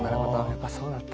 やっぱそうだったんだ。